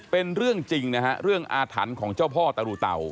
เป็นเรื่องจริงนะฮะเรื่องอาถรรพ์ของเจ้าพ่อตะรูเต่า